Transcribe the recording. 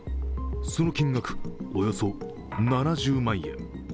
その金額、およそ７０万円。